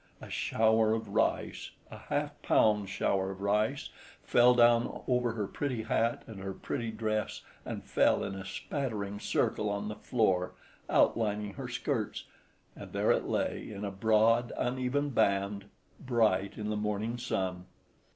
A shower of rice—a half pound shower of rice—fell down over her pretty hat and her pretty dress, and fell in a spattering circle on the floor, outlining her skirts—and there it lay in a broad, uneven band, bright in the morning sun.